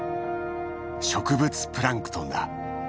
植物プランクトンだ。